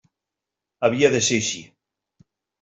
Havia de ser així.